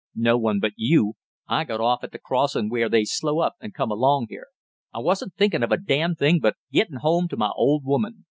"No one but you. I got off at the crossin' where they slow up and come along here; I wasn't thinkin' of a damn thing but gettin' home to my old woman.